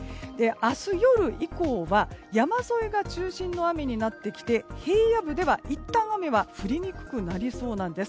明日夜以降は山沿いが中心の雨になってきて平野部ではいったん、雨は降りにくくなりそうなんです。